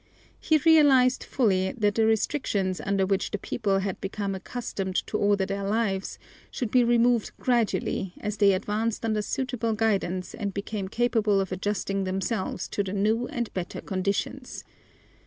He realized fully that the restrictions under which the people had become accustomed to order their lives should be removed gradually as they advanced under suitable guidance and became capable of adjusting themselves to the new and better conditions.